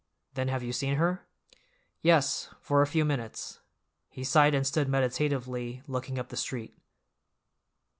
"Then have you seen her?" "Yes, for a few minutes." He sighed and stood meditatively looking up the street.